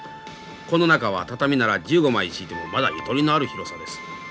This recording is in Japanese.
この中は畳なら１５枚敷いてもまだゆとりのある広さです。